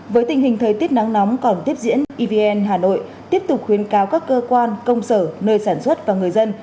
với tình hình thời tiết nắng nóng còn tiếp diễn evn hà nội tiếp tục khuyến cáo các cơ quan công sở nơi sản xuất và người dân